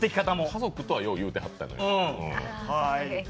家族とはよう言うてはった。